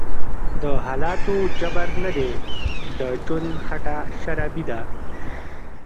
دحالاتو_جبر_نه_دی_د_ژوند_خټه_شرابي_ده